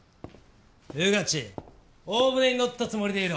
穿地大船に乗ったつもりでいろ。